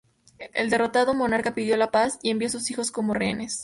El derrotado monarca pidió la paz y envió a sus hijos como rehenes.